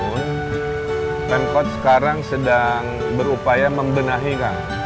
taman taman yang kita bangun pemkot sekarang sedang berupaya membenahi kang